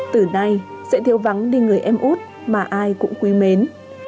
từ nay sẽ thiếu vắng đi người em út mà ai cũng quý mến